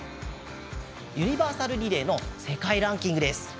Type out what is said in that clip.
ユニバーサルリレーの世界ランキングです。